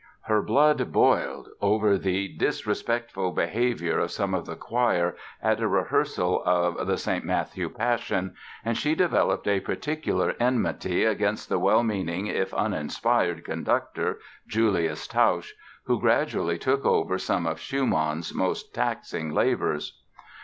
Her blood "boiled" over the "disrespectful behaviour of some of the choir" at a rehearsal of the "St. Matthew Passion" and she developed a particular enmity against the well meaning if uninspired conductor, Julius Tausch, who gradually took over some of Schumann's most taxing labors.